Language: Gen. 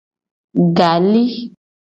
Gali.